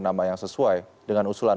menteri dalam negeri tidak ada satupun